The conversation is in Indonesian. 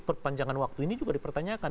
perpanjangan waktu ini juga dipertanyakan